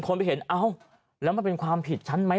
ไปเห็นเอ้าแล้วมันเป็นความผิดฉันไหม